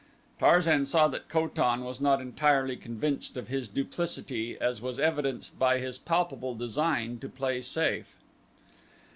Tarzan saw that Ko tan was not entirely convinced of his duplicity as was evidenced by his palpable design to play safe.